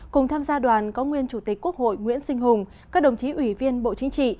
cùng tham gia đoàn có nguyên chủ tịch quốc hội nguyễn sinh hùng các đồng chí ủy viên bộ chính trị